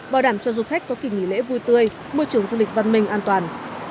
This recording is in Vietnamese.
bảo đảm cho du khách có kỳ nghỉ lễ vui tươi môi trường du lịch văn minh an toàn